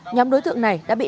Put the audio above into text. nhóm đối tượng này đã bị bắt